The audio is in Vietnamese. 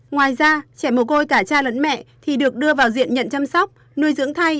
ngoài ra trẻ mồ côi cả cha lẫn mẹ thì được đưa vào diện nhận chăm sóc nuôi dưỡng thay